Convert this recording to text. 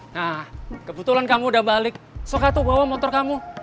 nah kebetulan kamu udah balik sokatu bawa motor kamu